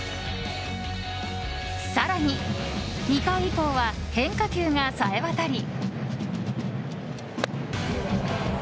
更に、２回以降は変化球がさえ渡り。